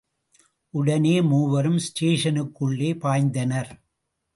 உடனே மூவரும் ஸ்டேஷனுக்குள்ளே பாய்ந்தனர்.